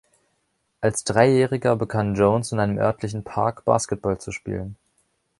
Als Dreijähriger begann Jones in einem örtlichen Park Basketball zu spielen.